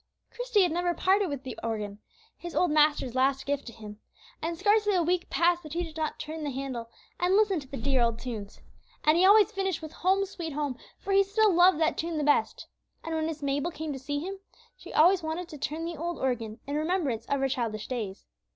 Christie had never parted with that organ, his old master's last gift to him. And scarcely a week passed that he did not turn the handle, and listen to the dear old tunes. And he always finished with "Home, sweet Home," for he still loved that tune the best. And when Miss Mabel came to see him, she always wanted to turn the old organ in remembrance of her childish days.